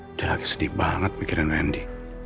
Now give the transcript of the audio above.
udah lagi sedih banget mikirin wendy